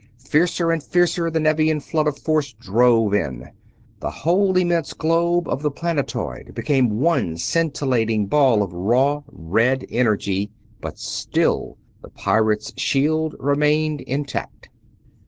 Fiercer and fiercer the Nevian flood of force drove in. The whole immense globe of the planetoid became one scintillant ball of raw, red energy; but still the pirates' shield remained intact.